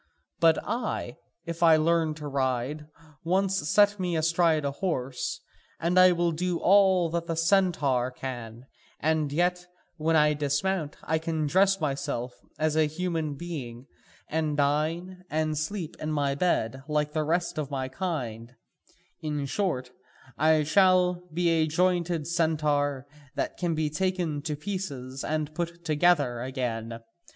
But I, if I learn to ride, once set me astride my horse, and I will do all that the centaur can, and yet, when I dismount, I can dress myself as a human being, and dine, and sleep in my bed, like the rest of my kind: in short, I shall be a jointed centaur that can be taken to pieces and put together again.